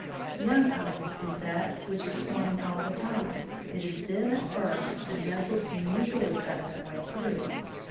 Young ice is that which is forming all the time. It is thin at first, and vessels can usually cut their way through.